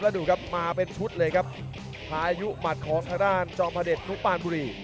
แล้วดูครับมาเป็นชุดเลยครับพายุหมัดของทางด้านจอมพระเดชนุปานบุรี